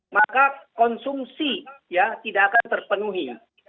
maka konsumsi ya tidak akan terpenuhi